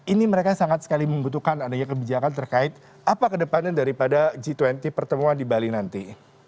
ini mereka sangat sekali membutuhkan adanya kebijakan terkait apa kedepannya daripada g dua puluh pertemuan di bali nanti